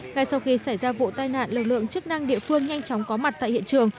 ngay sau khi xảy ra vụ tai nạn lực lượng chức năng địa phương nhanh chóng có mặt tại hiện trường